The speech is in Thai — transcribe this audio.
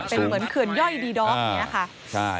เป็นเหมือนเขื่อนย่อยดีด๊อกเนี่ยค่ะ